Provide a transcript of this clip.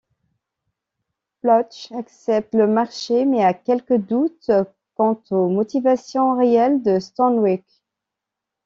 Fletch accepte le marché mais a quelques doutes quant aux motivations réelles de Stanwyk…